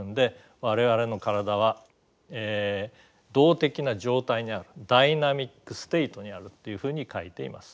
我々の体は動的な状態にあるダイナミックステートにあるっていうふうに書いています。